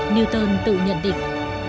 newton tự nhận định